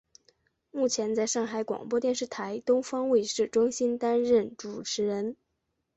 目前在上海广播电视台东方卫视中心担任主持人。